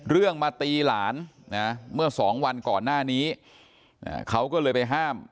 เรื่องมาตีหลานนะเมื่อสองวันก่อนหน้านี้เขาก็เลยไปห้าม